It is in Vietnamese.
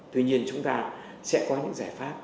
tuy nhiên chúng ta sẽ có những giải pháp